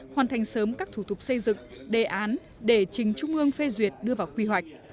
hoàn thành sớm các thủ tục xây dựng đề án để trình trung ương phê duyệt đưa vào quy hoạch